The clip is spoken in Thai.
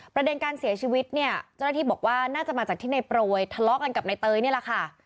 ประเด็นการเสียชีวิตเนี่ยเจ้าหน้าที่บอกว่าน่าจะมาจากที่ในโปรยทะเลาะกันกับนายเตยนี่แหละค่ะ